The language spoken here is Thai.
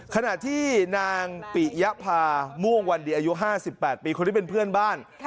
ขณะที่นางปิยภาม่วงวันดีอายุ๕๘ปีคนนี้เป็นเพื่อนบ้าน